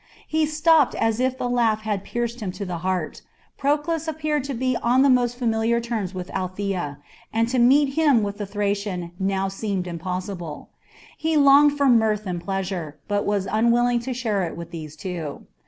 He stopped as if the laugh had pierced him to the heart. Proclus appeared to be on the most familiar terms with Althea, and to meet him with the Thracian now seemed impossible. He longed for mirth and pleasure, but was unwilling to share it with these two.